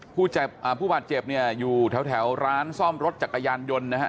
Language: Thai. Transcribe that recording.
ผู้บาดเจ็บเนี่ยอยู่แถวร้านซ่อมรถจักรยานยนต์นะฮะ